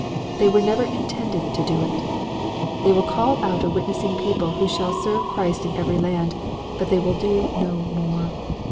They were never intended to do it. They will call out a witnessing people who shall serve Christ in every land, but they wiU do no more.